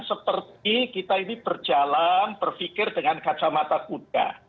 seperti kita ini berjalan berfikir dengan kacamata kuda